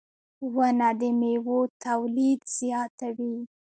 • ونه د میوو تولید زیاتوي.